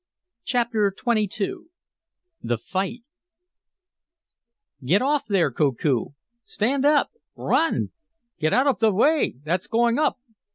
Chapter XXII The Fight "Get off there, Koku!" "Stand up!" "Run!" "Get out of the way! That's going up!"